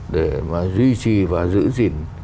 để mà duy trì và giữ gìn